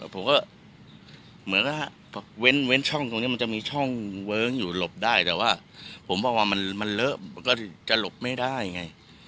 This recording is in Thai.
ผมก็เหมือนกับเว้นช่องตรงนี้มันจะมีช่องเวิ้งอยู่หลบได้แต่ว่าผมบอกว่ามันเลอะมันก็จะหลบไม่ได้ไง